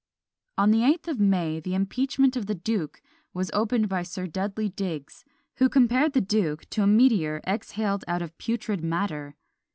" On the 8th of May the impeachment of the duke was opened by Sir Dudley Digges, who compared the duke to a meteor exhaled out of putrid matter.